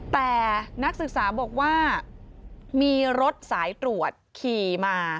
แต่นักศึกษาบอกว่ามีรถสายตรวจขี่มา